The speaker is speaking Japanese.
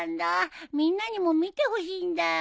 みんなにも見てほしいんだよ。